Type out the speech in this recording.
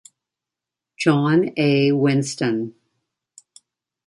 John A. Winston.